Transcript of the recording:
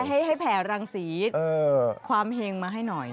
ใช่ให้แผลรังศีรษความเห็งมาให้หน่อย